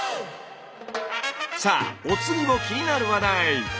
さあお次の気になる話題。